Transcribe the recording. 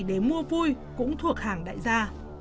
để mua vui cũng thuộc hàng đại gia